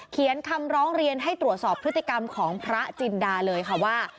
เขียนคำร้องเรียนให้ตรวจสอบพฤติกรรมของพระจินดาเลยค่ะว่า